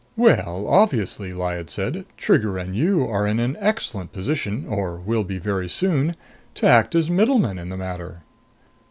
"Well, obviously," Lyad said, "Trigger and you are in an excellent position or will be, very soon to act as middlemen in the matter."